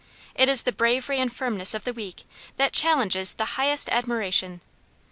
It is the bravery and firmness of the weak that challenges the highest admiration.